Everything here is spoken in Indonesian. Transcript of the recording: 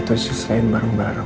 itu sisain bareng bareng